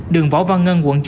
đường võ văn ngân quận chín